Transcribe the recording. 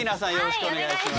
はいお願いします。